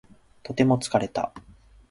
とても疲れた